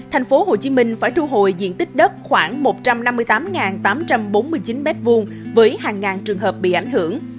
tp hcm phải thu hồi diện tích đất khoảng một trăm năm mươi tám tám trăm bốn mươi chín m hai với hàng ngàn trường hợp bị ảnh hưởng